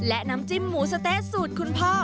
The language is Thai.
และน้ำจิ้มหมูสะเต๊ะสูตรคุณพ่อ